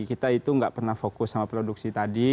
kita itu nggak pernah fokus sama produksi tadi